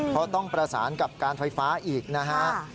เพราะต้องประสานกับการไฟฟ้าอีกนะฮะ